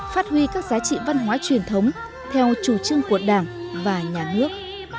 phát huy các giá trị văn hóa truyền thống theo chủ trương của đảng và nhà nước